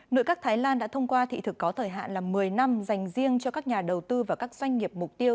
nội các thái lan đã thông qua thị thực có thời hạn là một mươi năm dành riêng cho các nhà đầu tư và các doanh nghiệp mục tiêu